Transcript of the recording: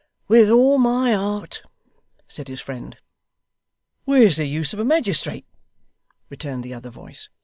'With all my heart,' said his friend. 'Where's the use of a magistrate?' returned the other voice.